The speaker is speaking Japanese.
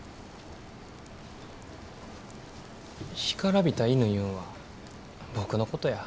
干からびた犬いうんは僕のことや。